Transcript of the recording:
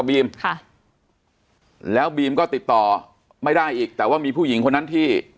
บีมค่ะแล้วบีมก็ติดต่อไม่ได้อีกแต่ว่ามีผู้หญิงคนนั้นที่